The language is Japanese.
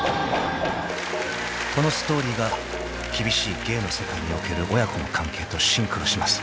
［このストーリーが厳しい芸の世界における親子の関係とシンクロします］